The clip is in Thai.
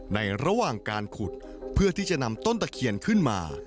ในระหว่างการขุดเพื่อที่จะนำต้นตะเคียนขึ้นมา